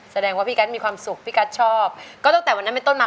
แสดงว่าพี่กัสมีความสุขพี่กัสชอบก็ตั้งแต่วันนั้นเป็นต้นมา